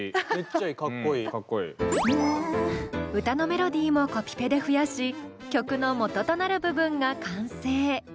歌のメロディーもコピペで増やし曲の元となる部分が完成！